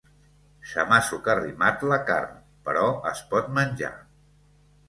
Se m'ha socarrimat la carn, però es pot menjar.